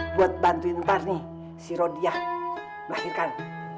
buat bantuin ntar nih si rodia melahirkan